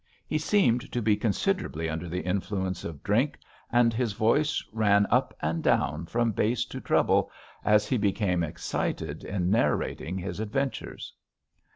He seemed to be considerably under the influence of drink, and his voice ran up and down from bass to treble as he became excited in narrating his adventures.